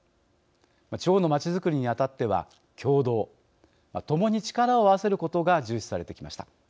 地方の街づくりにあたっては協働、共に力を合わせることが重視されてきました。